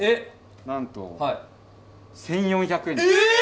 なんと１４００円え！